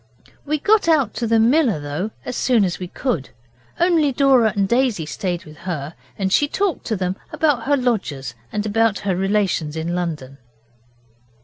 We got out to the miller, though, as soon as we could; only Dora and Daisy stayed with her, and she talked to them about her lodgers and about her relations in London.